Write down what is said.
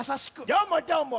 どーもどーも！